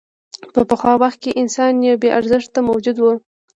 په پخوا وخت کې انسان یو بېارزښته موجود و.